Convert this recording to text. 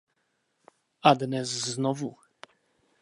A dnes znovu.